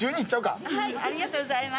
ありがとうございます。